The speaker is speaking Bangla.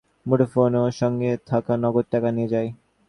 ছিনতাইকারীরা মাসুদ আলমের দুটো মুঠোফোন ও সঙ্গে থাকা নগদ টাকা নিয়ে যায়।